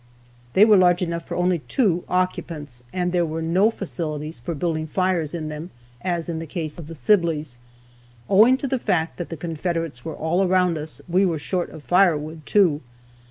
They were large enough for only two occupants, and there were no facilities for building fires in them, as in the case of the Sibleys. Owing to the fact that the Confederates were all around us, we were short of fire wood too.